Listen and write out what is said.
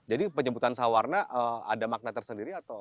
jadi penyebutan sewarna ada makna tersendiri atau